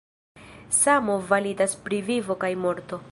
Samo validas pri vivo kaj morto.